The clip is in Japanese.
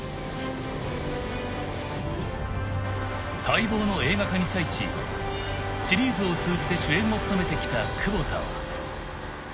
［待望の映画化に際しシリーズを通じて主演を務めてきた窪田は］